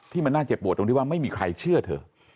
มันน่าเจ็บปวดตรงที่ว่าไม่มีใครเชื่อเธอ